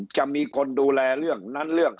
จะมีคนดูแลเรื่องนั้นเรื่อง